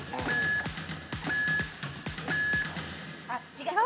違う？